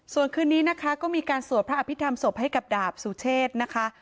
ส่วนคืนนี้นะคะก็มีการสวดพระอภิษฐรรมศพให้กับดาบสุเชษนะคะ